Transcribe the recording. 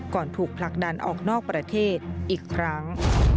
ถูกผลักดันออกนอกประเทศอีกครั้ง